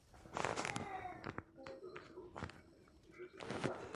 These performance interns also have the opportunity to appear in Mainstage productions.